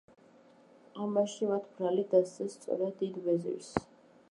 ამაში მათ ბრალი დასდეს სწორედ დიდ ვეზირს.